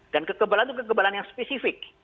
dan kekebalan itu kekebalan yang spesifik